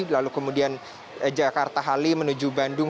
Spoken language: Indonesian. lalu kemudian jakarta halim menuju bandung